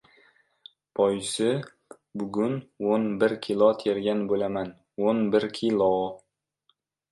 Boisi — bugun o‘n bir kilo tergan bo‘laman, o‘n bir kilo!